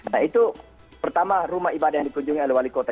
nah itu pertama rumah ibadah yang dikunjungi oleh wali kota